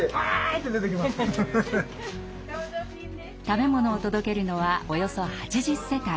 食べ物を届けるのはおよそ８０世帯。